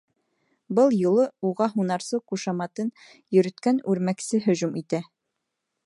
Был юлы уға һунарсы ҡушаматын йөрөткән үрмәксе һөжүм итә.